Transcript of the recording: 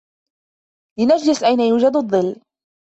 لنجلس أين يوجد ظل.